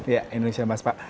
iya indonesia emas pak